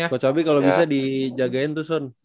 coach abe kalau bisa dijagain tuh son